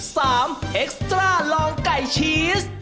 ๓สัมพักษณะลองไก่ชีส